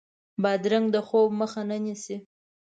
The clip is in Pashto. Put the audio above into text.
بادرنګ د خوب مخه نه نیسي.